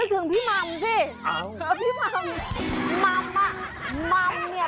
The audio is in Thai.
นึกถึงพี่ม่ำสิอ้าวพี่ม่ำม่ำม่ำเนี่ย